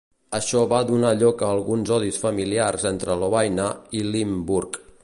Això va donar lloc a alguns odis familiars entre Lovaina i Limburg.